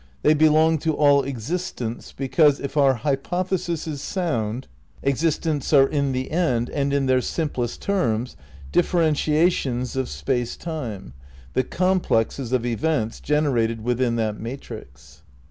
They belong to all existents be cause, if our hypothesis is sound, existents are in the end, and in their simplest terms, differentiations of Space Time, the complexes of events generated within that matrix."